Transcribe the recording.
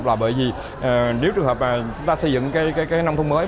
là bởi vì nếu trường hợp mà chúng ta xây dựng cái nông thôn mới